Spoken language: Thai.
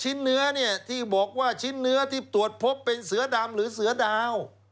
เนื้อเนี่ยที่บอกว่าชิ้นเนื้อที่ตรวจพบเป็นเสือดำหรือเสือดาว